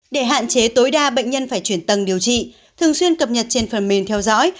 để hạn chế tối đa bệnh nhân phải chuyển tầng điều trị thường xuyên cập nhật trên phần mềm theo dõi